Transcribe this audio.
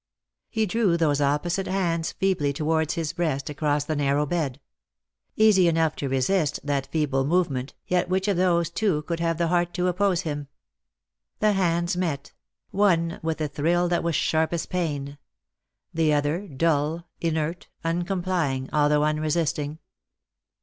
He drew those opposite hands feebly towards his breast, across the narrow bed. Easy enough to resist that feeble movement, yet which of those two could have the heart to oppose him P The hands met — one with a thrill that was sharp as pain ; the other dull, inert, uncomplying, although unresisting.